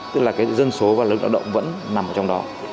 tức là cái dân số và lực động vẫn nằm trong đó